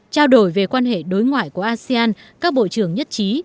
trao đổi về quan hệ đối ngoại của asean các bộ trưởng nhất trí